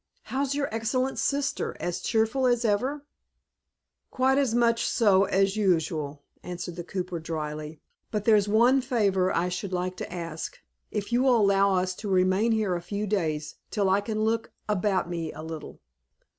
How's your excellent sister; as cheerful as ever?" "Quite as much so as usual," answered the cooper, dryly. "But there's one favor I should like to ask, if you will allow us to remain here a few days till I can look about me a little."